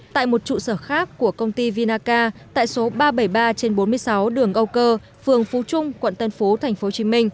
tại một trụ sở khác của công ty vinaca tại số ba trăm bảy mươi ba trên bốn mươi sáu đường âu cơ phường phú trung quận tân phú tp hcm